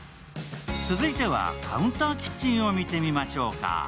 続いてはカウンターキッチンを見てみましょうか。